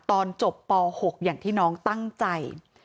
ตอนจบป๖อย่างที่น้องตั้งใจ